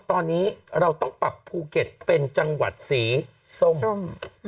ตอนนี้เราต้องปรับภูเก็ตเป็นจังหวัดสีส้ม